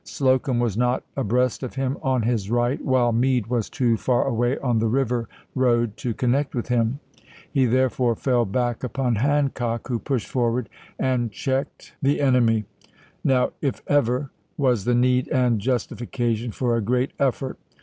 Slocum was not abreast of him on his right, while Meade was too far away on the river road to connect with him ; he therefore fell back upon Hancock, who pushed forward and checked GENERAL THOMAS J. ("STONEWALL") JACKSON. CHANCELLORSVILLE the enemy. Now, if ever, was the need and justifica tion for a great effort.